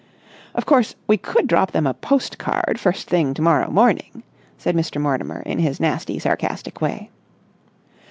"Of course, we could drop them a post card first thing to morrow morning," said Mr. Mortimer in his nasty sarcastic way.